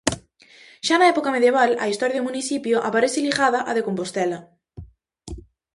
Xa na época medieval, a historia do municipio aparece ligada á de Compostela.